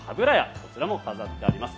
こちらも飾ってあります。